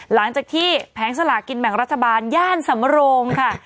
หลังจากที่แผงสลากินแบ่งรัฐบาลย่านสำโรงค่ะ